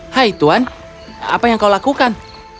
hai tuan apa yang kau lakukan